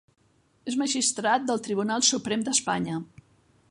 És magistrat del Tribunal Suprem d'Espanya.